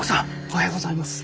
おはようございます。